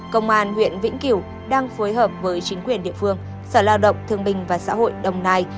công an huyện vĩnh kiểu đang phối hợp với chính quyền địa phương sở lao động thương bình và xã hội đồng nai